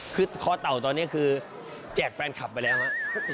คือคอเต่าตอนนี้คือแจกแฟนคลับไปแล้วครับ